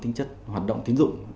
tính chất hoạt động tiến dụng